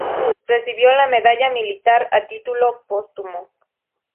Recibió la Medalla Militar a título póstumo.